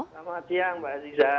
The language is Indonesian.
selamat siang mbak aziza